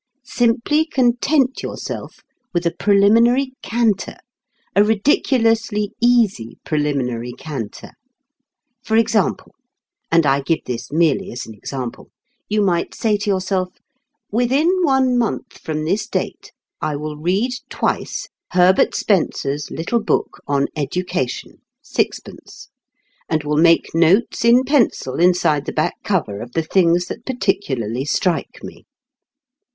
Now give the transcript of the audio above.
Simply content yourself with a preliminary canter, a ridiculously easy preliminary canter. For example (and I give this merely as an example), you might say to yourself: "Within one month from this date I will read twice Herbert Spencer's little book on 'Education' sixpence and will make notes in pencil inside the back cover of the things that particularly strike me."